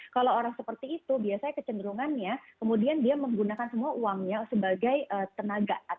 kalau orang seperti itu biasanya kecenderungannya kemudian dia menggunakan semua uangnya sebagai tenaga